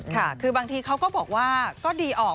ค่ะคือบางทีเขาก็บอกว่าก็ดีออก